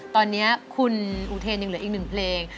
ตอนนี้คุณอุเทนยังเหลืออีกหนึ่งเพลง